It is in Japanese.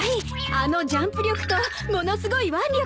あのジャンプ力とものすごい腕力。